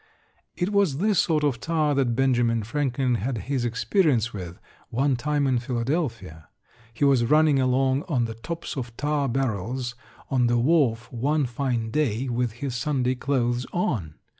It was this sort of tar that Benjamin Franklin had his experience with one time in Philadelphia. He was running along on the tops of tar barrels on the wharf one fine day with his Sunday clothes on.